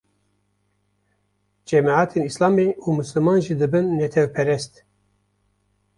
cemeatên Îslamê û misliman jî dibin netewperest